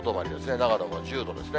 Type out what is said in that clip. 長野も１０度ですね。